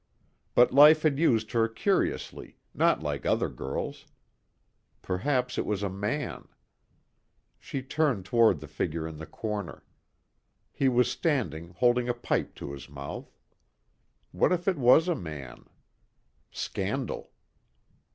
But life had used her curiously, not like other girls. Perhaps it was a man. She turned toward the figure in the corner. He was standing holding a pipe to his mouth. What if it was a man? Scandal.